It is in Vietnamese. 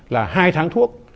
là hai tháng thuốc